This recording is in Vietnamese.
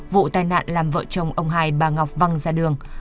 vụ tai nạn làm vợ chồng ông hai bà ngọc văng ra đường